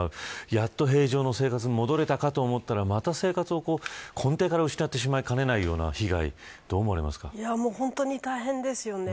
やっと平常の生活に戻れたかと思ったらまた、生活を根底から失ってしまいかねないような本当に大変ですよね。